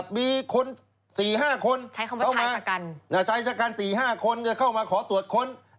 มีคน๔๕คนเข้ามาใช้คำว่าชายสกรรชายสกรร๔๕คนเข้ามาขอตรวจค้น